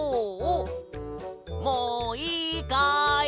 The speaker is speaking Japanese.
もういいかい？